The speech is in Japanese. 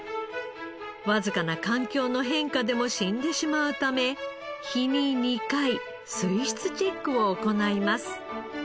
わずかな環境の変化でも死んでしまうため日に２回水質チェックを行います。